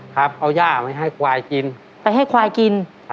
ครับเอาย่าไปให้ควายกิน